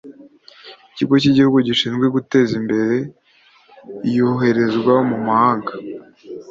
Ikigo cy Igihugu gishinzwe guteza imbere iyoherezwa mu mahanga